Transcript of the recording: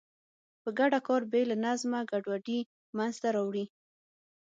په ګډه کار بې له نظمه ګډوډي منځته راوړي.